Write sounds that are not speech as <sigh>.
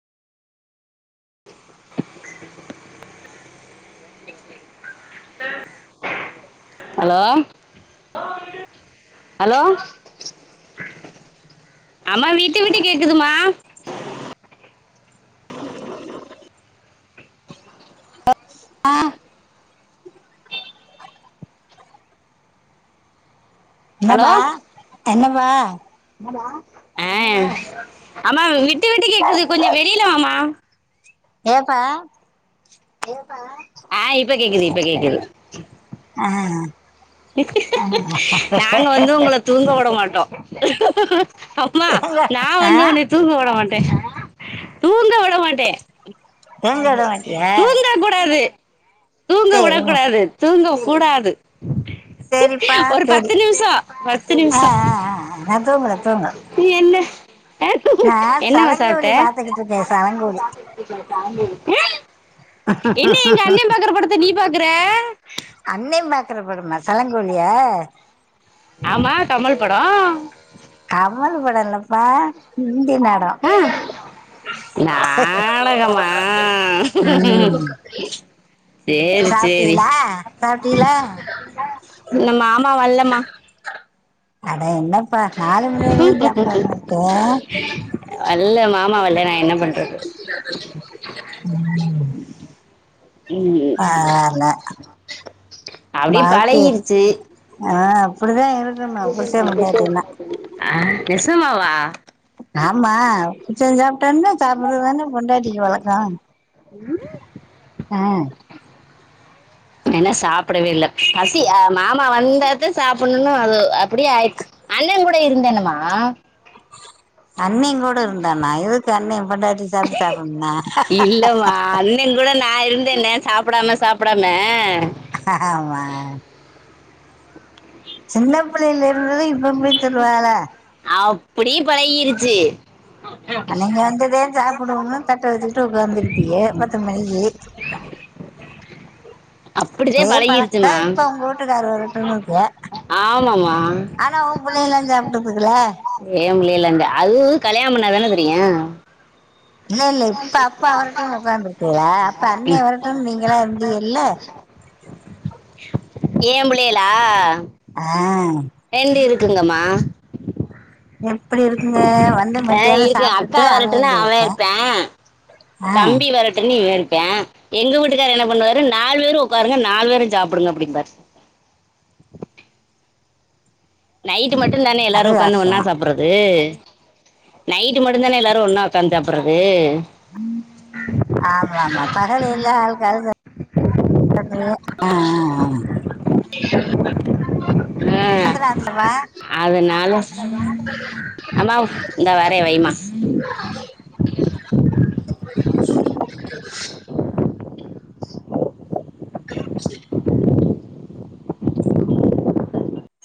<unintelligible> hello <unintelligible> hello அம்மா விட்டு விட்டு கேக்குதுமா ஆ என்னப்பா என்னப்பா என்னப்பா ஆ அம்மா விட்டு விட்டு கேக்குது கொஞ்சோ வெளில வா மா ஏப்பா ஆ இப்ப கேக்குது இப்ப கேக்குது ஆ <inaudible> நாங்க வந்து உங்கள தூங்க உட மாட்டோ அம்மா நா ஆ வந்து உன்னைய தூங்க உட மாட்டே தூங்க உட மாட் டே தூங்க விட மாட்டியா தூங்க கூடாது தூங்க சரி உடக் கூடாது தூங்க கூடாது சரிப்பா ஒரு சரி பத்து நிம்ஷோ பத்து ஆ நிம்ஷ ஆ ஆ நான் தூங்குறேன் தூங்கு இது என்ன நான் என்ன மா சாப்ட சலங்கோலி பாத்துக்கிட்டு இருக்கேன் சலங்கோலி என்ன எங்க அண்ணன் பாக்குற படத்த நீ பாக்குற அண்ணே பாக்குற படமா சலங்கொலி யா ஆமா கமல் படோ கமல் படோ இல்லப்பா ஹந்தி நடோ ஆ நாடகமா சேரி சேரி சாப்டீளா சாப்டீளா இன்னு மாமா வர்லமா அடா என்னப்பா நாலு மணி வரியு சாப்டாம இருக்க வல்ல மாமா வல்ல நான் என்ன பண்றது ம் ம் பரவால்ல அப்படியே வாழ்க்கே பழகிருச்சு ஆ அப்படிதா இருக்கனு புருசே பொண்டாட்டினா ஆ நெசமாவா ஆமா புருசன் சாப்டோன்னே சாப்பறதுதானே பொண்டாட்டிக்கு வழக்கோ உம் அ <inaudible> நா இன்னு சாப்படவே இல்ல பசி அ மாமா வந்தது சாப்பணுன்னு அது அப்படியே ஆயிடுச்சு அண்ண கூட இருந்தேனமா அண்ணே கூட இருந்தான்னா எதுக்கு அண்ணே பொண்டாட்டி சாப்ட்டு சாப்பணுன்னா இங் கூட நா இருந்தேனே சாப்படாம சாப்படாம ஆமா சின்ன பிள்ளையில இருந்தது இப்ப போய் சொல்லுவால அப்பிடி பழகிருச்சு <inaudible> <inaudible> அன்னைக்கு வந்ததே சாப்புடுவோம்னு தட்ட வச்சுக்கிட்டு உக்காந்துருப்பிய பத்து ஏ அப்படிதான் பழக்த்தா பழகிருச்சுமா இப்ப உங்க வூட்டுக்காரு வரட்டுன்னுட்டு இருக்க ஆமாமா ஆனா உ புள்ளைங்கலா சாப்டுகுதுல ஏன் புள்ளைகளா எங்க அதுவு கல்யாணம் பண்ணா தான தெரியு இல்ல இல்ல இப்ப அப்பா வரட்டுன் உட்காந்துருக்குகளா அப்ப அண்ணே வரட்டு நீங்களா இருந்தீக இல்ல ஏன் புள்ளைகளா ஆ ரெண்டு இருக்குங்கம்மா எப்டி இருக்குங்க வந்து ஆ, மத்தியானோ இருக்கு அக்கா சாப்டுட்டு அவ வரட்டுன்னு ஏன் பேச்ச அவன் இருப்பேன் தம்பி வரட்டுன்னு இவ இருபே எங்க வூட்டுக்காரு என்ன பண்ணுவாரு நாலு பேரு உட்காருங்க நாலு பேரு சாப்புடுங்க அப்டிம்பார் நைட்டு மட்டு தானே எல்லாரு அது உக்காந்து ஒண்ணா வாசம் சாப்ற து நைட்டு மட்டு தானே எல்லாரு ஒண்ணா உக்காந்து சாப்பறது ஆமா ஆமா பகலில்லா அவுங்க அவுங்க ஆ ஆ ஆ ஆ பாத்திர அதனால அம்மாவ் இந்தா வரே வைமா <inaudible> <inaudible>